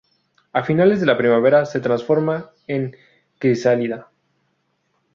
A finales de la primavera se transforma en crisálida.